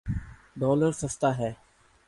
Dollar سستا ہے۔